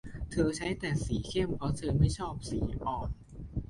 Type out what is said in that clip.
เธอใช้แต่สีเข้มเพราะเธอไม่ชอบสีอ่อน